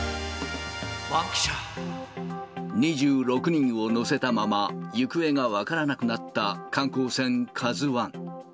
２６人を乗せたまま、行方が分からなくなった観光船カズワン。